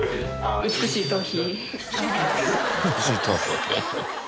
美しい頭皮。